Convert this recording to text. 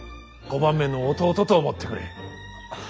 ５番目の弟と思ってくれ。